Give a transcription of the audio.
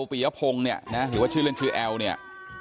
เอปียะพงษ์เนี้ย